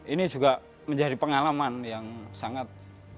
ini juga menjadi pengalaman yang sangat